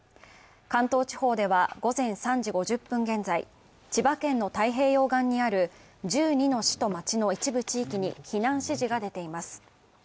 関東地方では午前３時５０分現在、千葉県の太平洋岸にある１２の市と町の一部地域に避難指示が出ています。